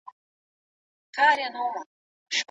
تاسو په کوچ باندې ولې په فکر کې ډوب ناست یاست؟